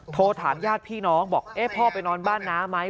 โทรถามญาติพี่น้องบอกเอ๊ะพ่อไปนอนบ้านน้าไหม